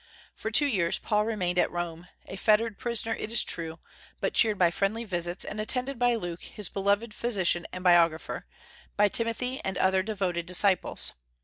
For two years Paul remained at Rome, a fettered prisoner it is true, but cheered by friendly visits, and attended by Luke, his "beloved physician" and biographer, by Timothy and other devoted disciples.